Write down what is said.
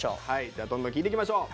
どんどん聞いていきましょう。